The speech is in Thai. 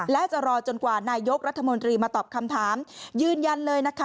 และจะรอจนกว่านายกรัฐมนตรีมาตอบคำถามยืนยันเลยนะคะ